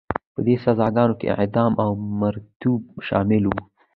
په دې سزاګانو کې اعدام او مریتوب شامل وو.